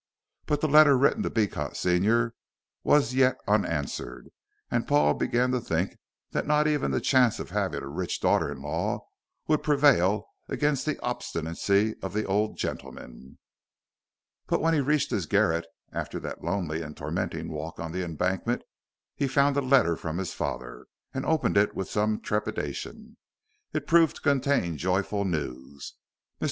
But the letter written to Beecot senior was yet unanswered, and Paul began to think that not even the chance of having a rich daughter in law would prevail against the obstinacy of the old gentleman. But when he reached his garret, after that lonely and tormenting walk on the Embankment, he found a letter from his father, and opened it with some trepidation. It proved to contain joyful news. Mr.